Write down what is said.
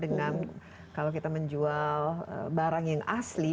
dengan kalau kita menjual barang yang asli